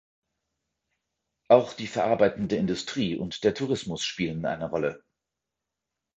Auch die verarbeitende Industrie und der Tourismus spielen eine Rolle.